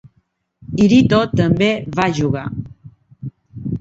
Irito també va jugar.